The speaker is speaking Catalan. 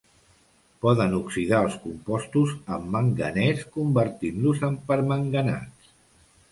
Poden oxidar els compostos amb manganès convertint-los en permanganats.